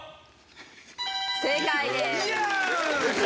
正解です。